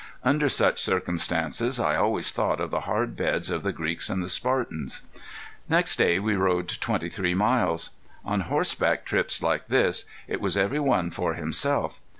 Under such circumstances I always thought of the hard beds of the Greeks and the Spartans. Next day we rode twenty three miles. On horseback trips like this it was every one for himself.